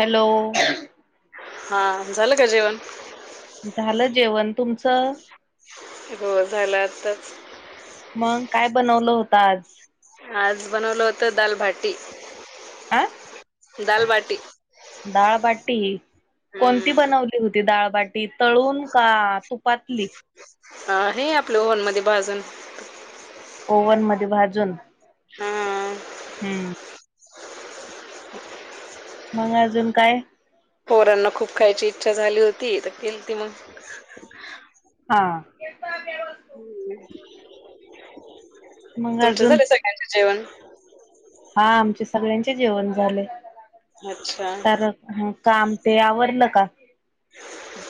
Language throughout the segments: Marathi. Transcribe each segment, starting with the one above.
हॅलो हा झालं काय जेवण? झालं जेवण तुमचं? हो झालं आताच. मग काय बनवलं होतं आज? आज बनवलं होतं दालभाटी हा डाल बाटी दाळबाटी कोणती हम्म बनवली होती डाळबाटी तळून का तुपातली? अ हे आपलं ओहनमध्ये भाजून ओव्हन मध्ये भाजून हां हम्म मग अजून काय? पोरांना खूप खायची इच्छा झाली होती तर केलती मग हा मग तुमचे अजून झाले सगळ्यांचे जेवण? हा आमचे सगळ्यांचे जेवण झाले. अच्छा म काम ते आवरलं का?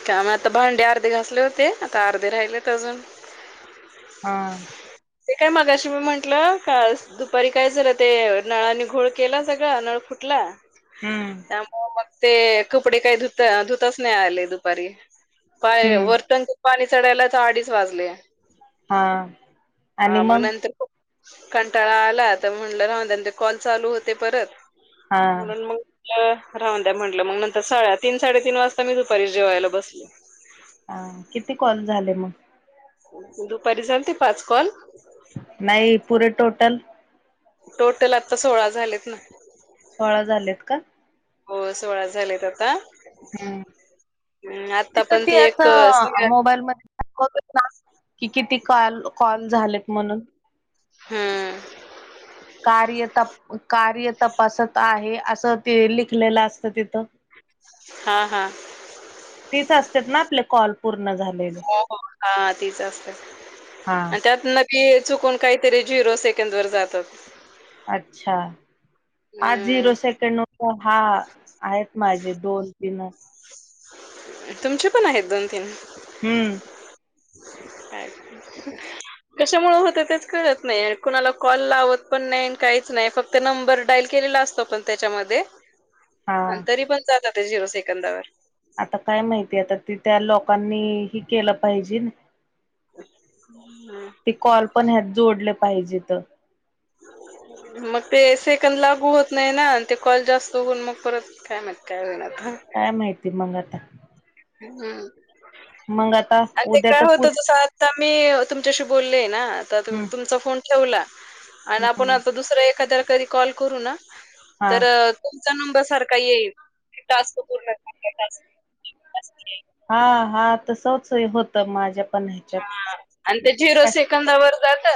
काम आता भांडे अर्धे घासले होते आता अर्धे राहिलेत अजून हा ते काय मागाशी मी म्हंटलं, का दुपारी काय झालं ते नळाने घोळ केला सगळा नळ फुटला. हम्म त्यामुळे मग ते कपडे काय धुत धुताच नाही आले दुपारी. पाय हम्म वर टंकित पाणी चढायलाच अडीच वाजले. हा हा मग नंतर खूप कंटाळा आला तर म्हटलं राहुंदे त्यां कॉल चालू होते परत हा म्हणून मग राहून द्या म्हटलं मग नंतर स्या तीन साडेतीन वाजता मी दुपारी जेवायला बसली. हा किती कॉल झाले मग? दुपारी झालते पाच कॉल नाही पुरे टोटल टोटल आत्ता सोळा झालेत ना सोळा झालेत का? हो सोळा झालेत आता हम्म हम्म आता तिथं पण ती एक असं हम्म मोबाईल मध्ये [unintelligible] की किती कॉल कॉल झालेत म्हणून हम कार्य तप कार्य तपासत आहे असं ते लिखलेलं असत तिथं हा हा तीच असते ना आपले कॉल पूर्ण झा- हो हो हा तीच असते हा. आणि त्यात न- ते चुकून कायतरी झिरो सेकंदवर जातात. अच्छा हा अं, झिरो सेकंड हा आहेत माझे दोन तीन तुमचे पण आहेत दोन तीन हम्म [unintelligible] कशामुळे होत तेच कळत नाही कुणाला कॉल लावत पण नाही काहीच नाही फक्त ते नंबर डाईल केलेला असतो पण त्याच्यामध्ये ह [inaudible] आणि तरी पण जातात ते झिरो सेकंदावर आता काय माहितीय आता ती त्या लोकांनी हे केलं पाहिजे ना- हम्म ते कॉल पण ह्यात जोडले पाहिजेत मग ते सेकंद लागू होत नाही ना ते कॉल जास्त होऊन मग परत काय म्हण- काय [unintelligible] काय माहिती मग आता हम् मग आता आणि ते उद्या काय तर पुर होतं तस आत आता मी तुमच्याशी बोललेय ना आता हम्म. तुमचा फोन ठेवला आणि आपण आता दुसऱ्या एखाद्याला कधी कॉल करू ना हा तर तुमचा नंबर सारखा येईल ते टास्क पूर्ण करायला अस [unintelligible] हा हा तसच होतं माझ्या पण ह्याच्यात हा आणि ते झिरो सेकंदावर जात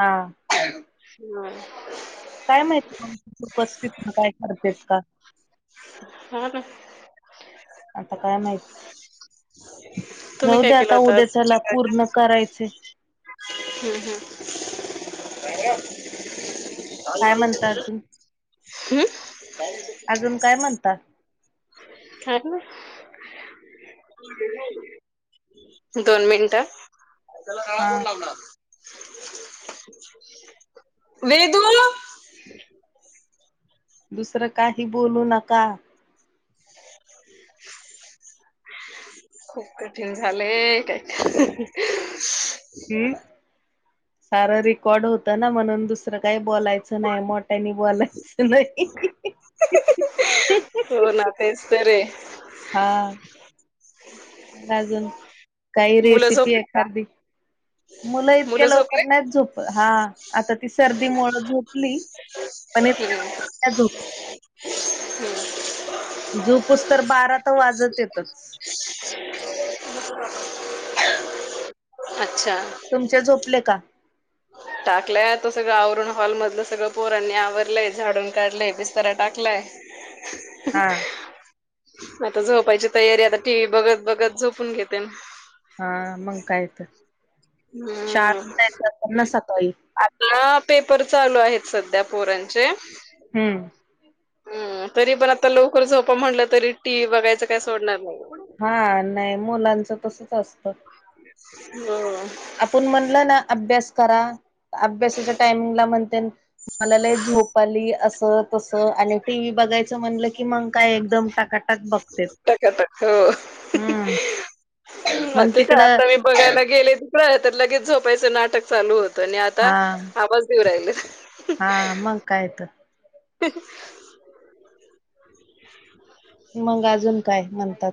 हां हम्म [unintelligible] काय माहिती उपस्थित नाही काय करते का हा ना आता काय माहित तुम्ही काय जावूदे केलं आता होतं आज उद्याच्याला पूर्ण करायचे हम्म काय म्हणता हम्म अजून हम् अजून काय म्हणता हा [unintelligible] दोन मिनट, त्याला काळा कोण हा लावणार वेदू, दुसरं काही बोलू नका, खूप कठीण झालंय काही का, हम्, सारं रेकॉर्ड होतं ना म्हणून दुसरं काही बोलायचं नाही मोठ्यानी बोलायचं. नाही, हो ना तेच तर हाय, हा, काय अजून, काही मुलं रेसिपी झोपले का एखादी मुलं इतक्या लवकर नाहीच झोप हा, आता ती सर्दी मुळ झोपली पण इतक्या हम्म, लवकर नाही झोप हम, झोपूस तोवर बारा तर वाजत्यात, [unintelligible] ह, अच्छा, तुमचे झोपले का? टाकलाय आता सगळं आवरुण हॉल मधलं सगळं पोरांनी आवरलंय झाडून काढलंय बिस्तारा टाकलाय. हा, आता झोपायची तयारी आता टी व्ही बघत बघत झोपून घेते. हा मंग काय तर शाळेत हम्म पण जायचं असेल ना सकाळी! ना पेपर चालू आहेत सध्या पोरांचे. हम्म, हम तरी पण आता लवकर झोपा म्हणलं तरी टी व्ही बघायचं काय सोडणार नाही. हा नाही मुलांचं तसच असतं. हो, आपण म्हणलं ना अभ्यास करा अभ्यासाच्या टायमिंगला म्हणते, मला लय झोप आली असं तसं आणि टी व्ही बघायचं म्हणलं की मग! काय एकदम टाकाटाक बघतेत टक टक हो, हम्म ह मग ते काय तिकडं आता मी बघायला गेले तर लगेच झोपायचं नाटक चालू होत. तनी आता हा आवाज देऊ राहिले, हा मग काय तर मग अजून काय म्हणतात,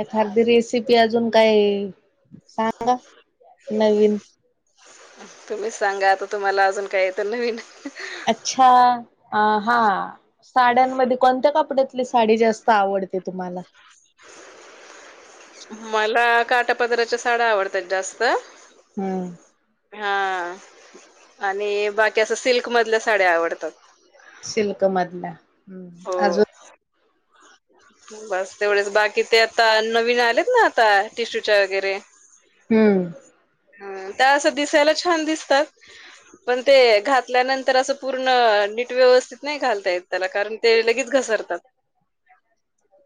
एखादी रेसिपी अजून काय सांगा नवीन. तुम्हीच सांगा आता तुम्हाला अजून काही येत नवीन? अच्छा आं हां, साड्यांमध्ये कोणत्या कपड्यातली साडी जास्त आवडते तुम्हाला, मला काटापदराच्या साड्या आवडतात जास्त! हम्म, हा आणि बाकी असं सिल्कमधल्या साड्या आवडतात. सिल्क हो मधल्याअजून, बस तेवढेच बाकी ते आता नवीन आलेत ना आता टिश्यूच्या वगैरे, हम्म, ह, त्या असं दिसायला छान दिसतात. पण ते घातल्यानंतर असं पूर्ण नीट व्यवस्थित नाही घालतायेत. त्याला कारण ते लगेच घसरतात.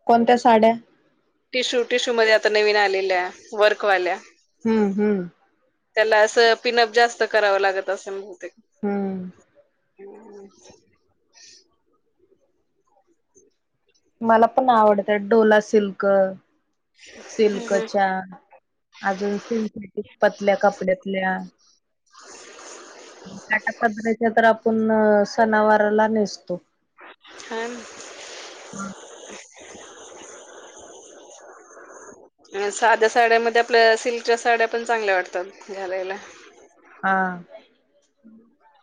कोणत्या साड्या? टिशू, टिशू मध्ये आता नवीन आलेल्या, वर्कवाल्या. हम्म हम्म. त्याला असं पिनअप जास्त करावं लागतं असं बहुतेक. हम्म. [inaudible] मला पण आवडतं डोला सिल्क, हं, हं. सिल्कच्या. अजून सिंथेटिक पतल्या कपड्यातल्या. काटा पदरायाच्या तर, आपण सनावारला नेसतो. [inaudible] साध्या साड्यामध्ये आपल्या सिल्कच्या साड्या पण, चांगल्या वाटतात घालायला. हा. [inaudible]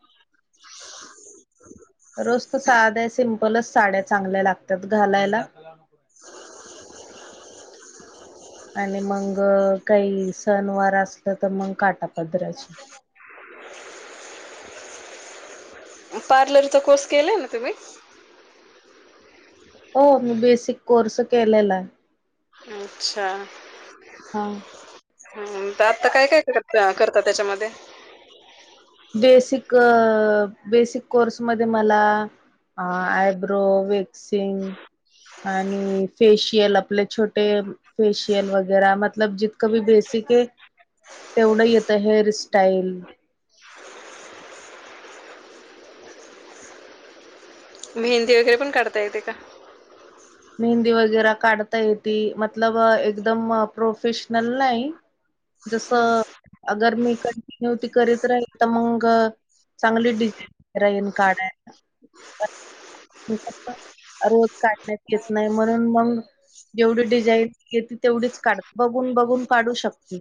रोज तर साध्या सिम्पलचं साड्या चांगल्या लागतात घालायला. आणि मग काही सनवार असलं तर मग काठापदराच्या. पार्लरचा कोर्स केलाय ना तुम्ही? हो, मी बेसिक कोर्स केलेला आहे. अच्छा! हा. हम्म, आता काय, काय करतात त्याच्यामध्ये? बेसिक, बेसिक कोर्समध्ये मला अ, आयब्रो, वेक्सिंग आणि फेशियल आपले छोट ते फेशियल वगैर मतलब जितक भी बेसिक आहे तेवढं येतं हे रिस्टाइल. मेहंदी वगैरे पण काढता येते का? मेहंदी वगैरे काढता येती, मतलब एकदम प्रोफेशनल नाही. जसं अगर मी कंटिन्यू ती करीत राहील तर मग चांगली डिझाईन वगैरे येनी काढाय. [unintelligible] रोज काढण्यात येत नाही म्हणून मग जेवढी डिझाईन येते तेवढीच काढ, बघून, बघून काढू शकते.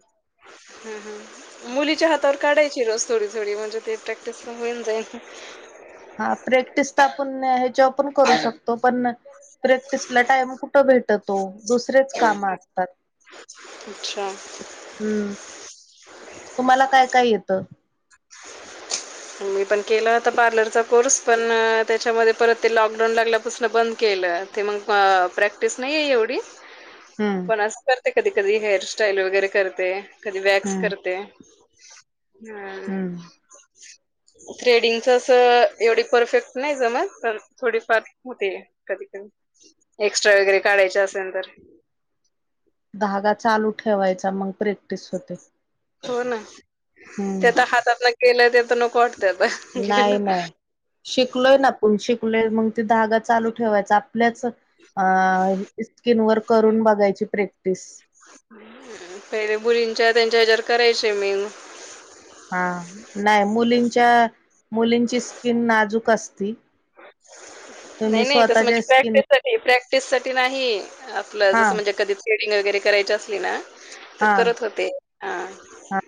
हम्म हम्म. मुलीच्या हातावर काढायची रोज थोडी, थोडी म्हणजे ते प्रॅक्टिस पण होईन जाईल. हा, प्रॅक्टिस तर आपण ह्याच्यावर करू शकतो पण प्रॅक्टिसला टाइम कुठं भेटतो? दुसरेच काम असतात. आछा! हम्म, तुम्हाला काय काय येतं? मी पण केलं होता पार्लरचा कोर्स, पण त्याच्यामध्ये परत ते लॉकडाऊन लागल्यापासून बंद केलं. ते मग, प्रॅक्टिस नाही आहे एवढी. हम्म पण असं करते कधी, कधी हेअरस्टाईल वगैरे करते. कधी वॅक्स हम्म करते, हा. हम्म थ्रेडिंगच असं एवढी परफेक्ट नाही जमतं, पण थोडीफार होते. कधी, कधी एक्स्ट्रा वगैरे काढायचे असेल तर. धागा चालू ठेवायचा. मग प्रॅक्टिस होते. हो.. ना.. हम्म तेतर.. हातात न केलं ते तर नको वाट.. नाही- नाही शिकलोय ना आपण शिकलोय मग ते धागा ठेवायचा. आपु... आपल्याच अ... स्किन वर करून बघायची प्रॅक्टिस. पहिले मुलींच्या त्यांच्या ह्याच्यावर करायची मी... हा.. नाही मुलींच्या.. मुलींची स्किन नाजूक असती. तुम्ही नाही- नाही तस स्वतःच्या म्हणजे स्किन प्रॅक्टिससाठी. प्रॅक्टिस साठी नाही... आपलं हा जसं म्हणजे कधी थ्रेडिंग वैगैरे करायची असली ना.. तर हा करत होते. हा.. हा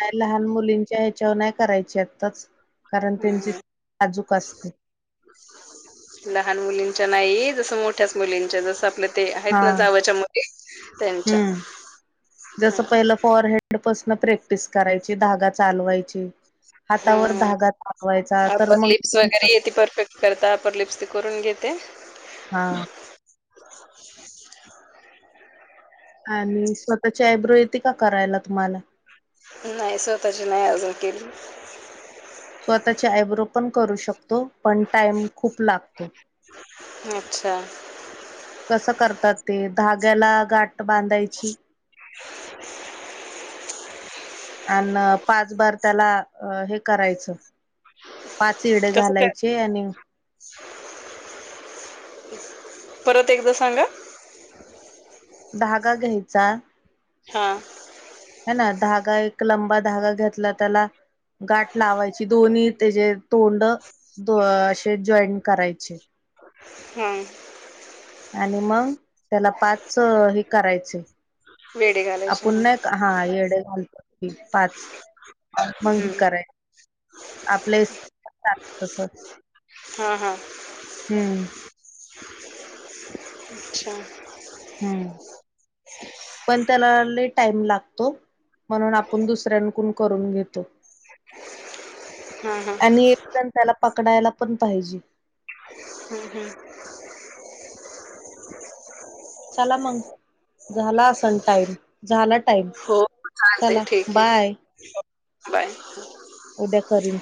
नाही लहान मुलींच्या ह्याच्यावर नाही करायची आत्ताच. कारण त्यांची नाजूक असते. लहान मुलींच्या नाही. जस मोठ्याच मुलींच्या जस आपल्या... ते.. आहेत हा ना... जावच्या मुली.. त्याच्या. हम्म आडपसन प्रॅक्टिस करायची. धागा चालवायची. हातावर हम्म धागा चालवायचा तर अपर मग... लिप्स वगैरे ती परफेक्ट करता आपण लिपस तेन करून घेते. हा.. आणि स्वतः ची यब्रो येते का करायला तुम्हाला. नाही स्वतःची नाही अजून केली. स्वतःचे आयब्रो पण करू शकतो. पण टाईम खूप लागतो. अच्छा... कसं करतात ते... धाग्याला गाठ बांधायची. [unintelligible] आण पाच बार त्याला अ.. हे करायचं. पाच येडे कसं काय घालायचे. आणि.. परत एकदा सांगा. धागा घ्यायचा. हा.. ह.. ना.. धागा एक लंबा धागा घेतला. त्याला.. गाठ लावायची. दोन्ही त्याचे तोंड अ से.. जॉईट करायचे. हम्म.. आणि मग.... त्याला पाच.. हे. करायचे. वेडे घालायचे आपुन हा नाहीका? हा येडे घालतो. पाच मंग हम्म. कयरायचे. आपल्या... तस... हा हा हम्म... अच्छा. हम्म.. पण त्या ला... लय टाइम लागतो. म्हणून आपण दुसऱ्यांकडून करून घेतो. हा.. हा.. एक जण त्याला पकडायला पण पाहिजे. [inaudible] चला मग.. झाला असल टाईम. झाला टाईम. ते ठीक आहे. बाय. उद्या करीन.